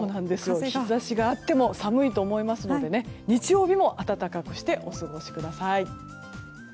日差しがあっても寒いと思いますので日曜日も暖かくしてお過ごしください。